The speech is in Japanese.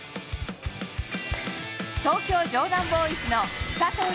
東京城南ボーイズの佐藤龍